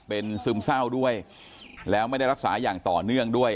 เป็นซึมเศร้าด้วยแล้วไม่ได้รักษาอย่างต่อเนื่องด้วย